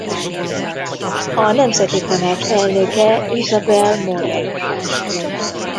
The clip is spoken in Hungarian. A Nemzeti Tanács elnöke Isabelle Moret.